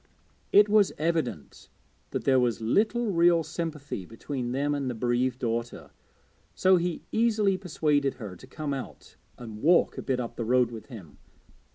It was evident that there was little real sympathy between them and the bereaved daughter, so he easily persuaded her to come out and walk a bit up the road with him.